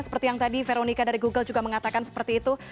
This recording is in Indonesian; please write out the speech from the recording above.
seperti yang tadi veronica dari google juga mengatakan seperti itu